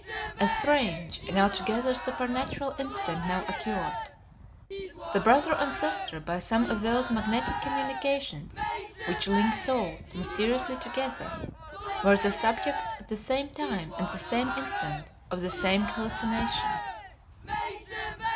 A strange and altogether supernatural incident now occurred. The brother and sister, by some of those magnetic communications which link souls mysteriously together, were the subjects at the same time and the same instant of the same hallucination.